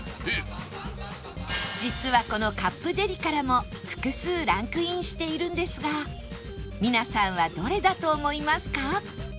実はこのカップデリからも複数ランクインしているんですが皆さんはどれだと思いますか？